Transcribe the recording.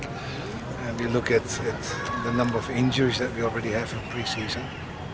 kita melihat jumlah penyakit yang sudah kita miliki di pre season